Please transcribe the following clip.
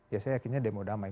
ya saya yakinnya demo damai